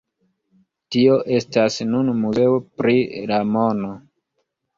Tio estas nun muzeo pri la mono.